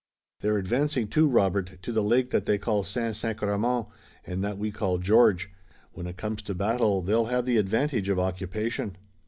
They're advancing, too, Robert, to the lake that they call Saint Sacrement, and that we call George. When it comes to battle they'll have the advantage of occupation."